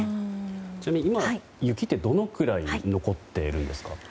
ちなみに今、雪ってどのくらい残ってるんですか？